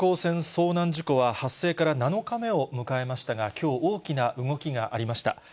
遭難事故は、発生から７日目を迎えましたが、きょう、大きな動きがありました。